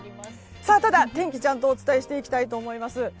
ただ、天気をちゃんとお伝えしていきたいと思います。